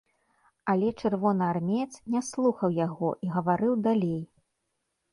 Але чырвонаармеец не слухаў яго і гаварыў далей.